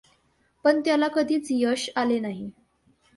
पण त्याला कधीच यश आले नाही.